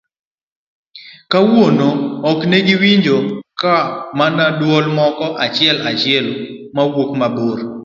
kawuono ok negiwinjo kok mana duol moko achiel achiel mawuok mabor